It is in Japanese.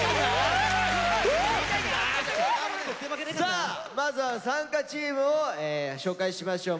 さあまずは参加チームを紹介しましょう。